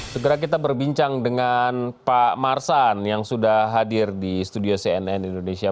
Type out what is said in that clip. segera kita berbincang dengan pak marsan yang sudah hadir di studio cnn indonesia